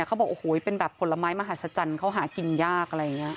เขาบอกเป็นแบบผลไม้มหาศจรรย์เขาหากินยาก